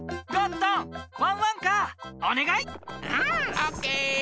オッケー！